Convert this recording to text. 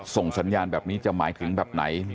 ส่งสัญญาณแบบนี้จะหมายถึงแบบไหน